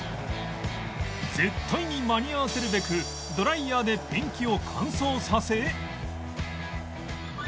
絶対に間に合わせるべくドライヤーでペンキを乾燥させ